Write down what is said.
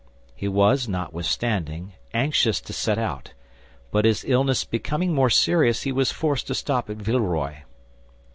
He was, notwithstanding, anxious to set out; but his illness becoming more serious, he was forced to stop at Villeroy.